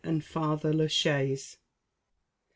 AND FATHER LA CHAISE.